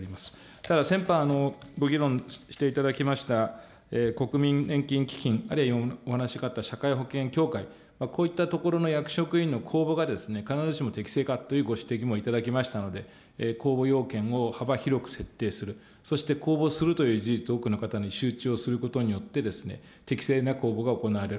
ただ、先般、ご議論していただきました、国民年金基金、あるいは今お話伺った社会保険協会、こういったところの役職員の公募が必ずしも適正かというご指摘もいただきましたので、公募要件を幅広く設定する、そして公募するという事実を周知をすることによって、適正な公募が行われる。